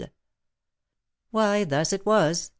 "Why, thus it was.